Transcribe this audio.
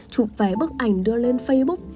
chụp vài bức ảnh đưa lên facebook